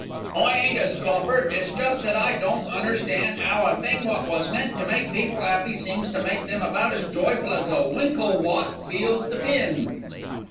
"I ain't a scoffer; it's just that I don't understan' 'ow a thing wot was meant to make people 'appy, seems to make 'em about as joyful as a winkle wot feels the pin."